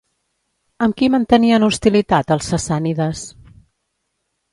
Amb qui mantenien hostilitat els sassànides?